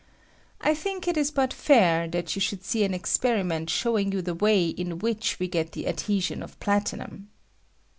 I think it is hut fair that you should see an experiment showing you the way in which we get the ad hesion of platinum.